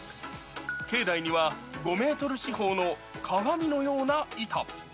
境内には５メートル四方の鏡のような板。